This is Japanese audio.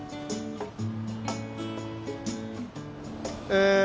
え